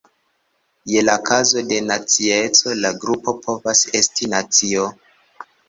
Je la kazo de nacieco la grupo povas esti nacio.